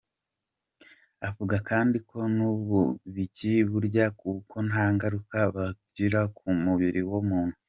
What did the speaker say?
Avuga kandi ko n’ubuki baburya kuko nta ngaruka bwagira ku mubiri w’umuntu.